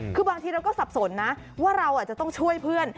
คือบางทีเราก็สับสนนะว่าเราอาจจะต้องช่วยเพื่อน